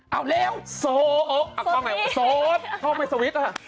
เอาเร็วโซโอ๊คอัพกล้องไหนโซโอ๊คห้องไม่สวิตช์อ่ะ